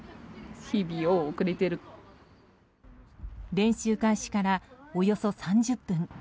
練習開始からおよそ３０分。